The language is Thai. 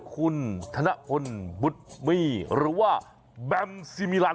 คุณธนคนบุตมิหรือว่าแบมซีมีลัน